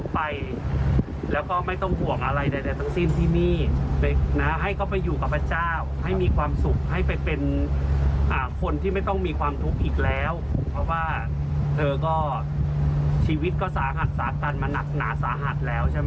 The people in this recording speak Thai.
เพราะว่าเธอก็ชีวิตก็สาหัสสากันมาหนักหนาสาหัสแล้วใช่ไหม